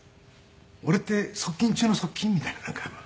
俺って側近中の側近みたいななんか。